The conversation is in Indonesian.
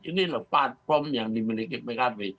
ini loh platform yang dimiliki pkb